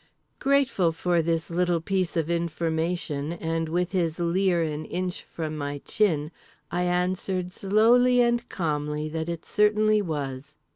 _" Grateful for this little piece of information, and with his leer an inch from my chin, I answered slowly and calmly that it certainly was.